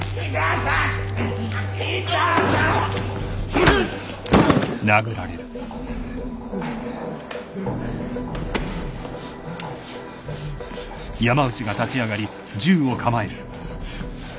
うっ。